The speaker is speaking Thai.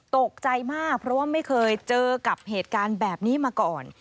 ตกใจมากเพราะว่าไม่เคยเจอกับเหตุการณ์แบบนี้มาก่อน